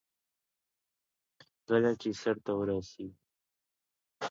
د شکل، موادو، د انرژۍ مصرف، یا د کار طریقې له مخې بدلون راځي.